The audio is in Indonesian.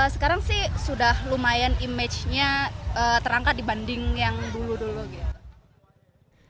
sekarang sih sudah lumayan image nya terangkat dibanding yang dulu dulu gitu